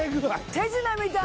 手品みたい！